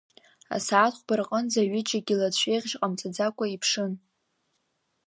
Асааҭ хәба рҟынӡа аҩыџьагьы лацәеихьшь ҟамҵаӡакәа иԥшын.